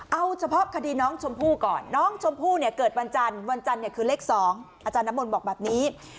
เอาเฉพาะคดีน้องชมพู่ก่อนน้องชมพู่เนี่ยเกิดวันจันทร์วันจันทร์เนี่ยคือเลข๒อาจารย์น้ำมนต์บอกแบบนี้